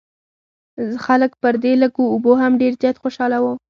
خلک پر دې لږو اوبو هم ډېر زیات خوشاله وو.